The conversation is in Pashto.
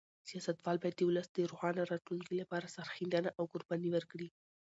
سیاستوال باید د ولس د روښانه راتلونکي لپاره سرښندنه او قرباني ورکړي.